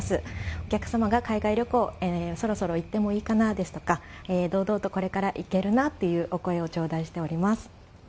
お客様が海外旅行、そろそろ行ってもいいかなですとか、堂々とこれから行けるなっていうお声を頂戴しております。